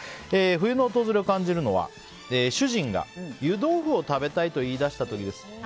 冬の訪れを感じるのは主人が湯豆腐を食べたいと言い出した時です。